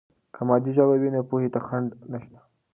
که مادي ژبه وي، نو پوهې ته خنډ نشته.